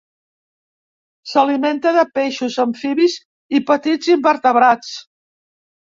S'alimenta de peixos, amfibis i petits invertebrats.